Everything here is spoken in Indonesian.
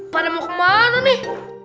pada mau kemana nih